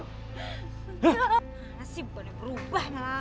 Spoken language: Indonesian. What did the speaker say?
nasib boleh berubah ya lah